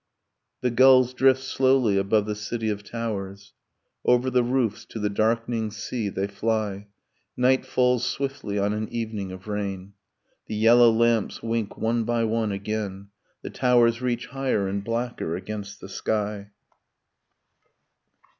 The gulls drift slowly above the city of towers, Over the roofs to the darkening sea they fly; Night falls swiftly on an evening of rain. The yellow lamps wink one by one again. The towers reach higher and blacker against the sky.